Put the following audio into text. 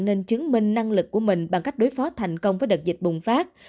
nên chứng minh năng lực của mình bằng cách đối phó thành công với đợt dịch bùng phát